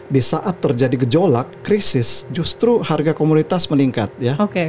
di saat terjadi gejolak krisis justru harga komunitas meningkat ya